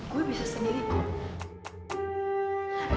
gue bisa sendiri